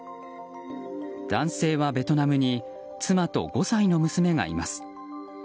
男性はベトナムに妻と５歳の娘がいます。